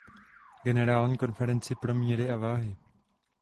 Generální konferenci pro míry a váhy.